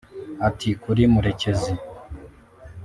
Ati “Kuri Murekezi